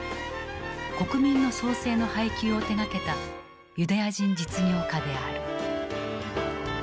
「国民の創生」の配給を手がけたユダヤ人実業家である。